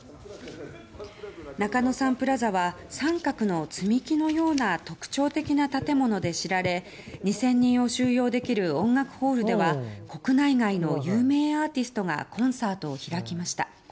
中野サンプラザは三角の積み木のような特徴的な建物で知られ２０００人を収容できる音楽ホールでは国内外の有名アーティストがコンサートを開きました。